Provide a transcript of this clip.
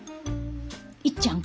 いっちゃん